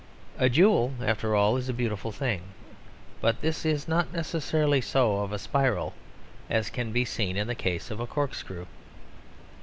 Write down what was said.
A jewel, after all, is a beautiful thing; but this is not necessarily so of a spiral, as can be seen in the case of a corkscrew.